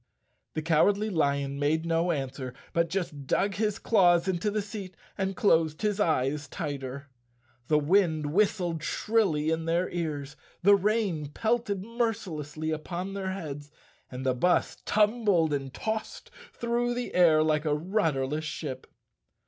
The Cowardly Lion made no answer but just dug his claws into the seat and closed his eyes tighter. The wind whistled shrilly in their ears, the rain pelted mercilessly upon their heads and the bus tumbled and tossed through the air like a rudderless ship.